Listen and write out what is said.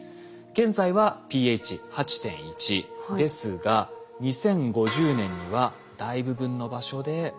現在はｐＨ８．１ですが２０５０年には大部分の場所で７．９になります。